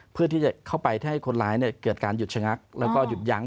เพื่อที่จะเข้าไปถ้าให้คนร้ายเกิดการหยุดชะงักแล้วก็หยุดยั้ง